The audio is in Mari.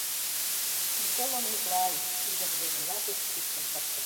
— МиколаМиклай! — ӱдыр рвезын вачыш кидшым пыштыш.